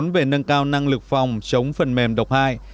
về nâng cao năng lực phòng chống phần mềm độc hại